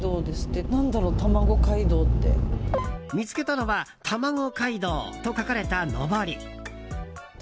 見つけたのは「たまご街道」と書かれたのぼり。